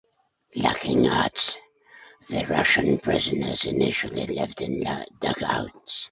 Lacking huts the Russian prisoners initially lived in dugouts.